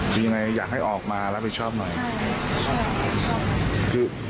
อันนี้เขาเล่นหายไปเลยให้ฝันเขารับผิดชอบให้กับกระบะ